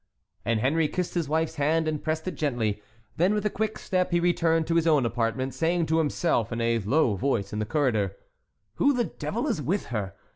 And Henry kissed his wife's hand, and pressed it gently. Then with a quick step he returned to his own apartment, saying to himself, in a low voice, in the corridor: "Who the devil is with her?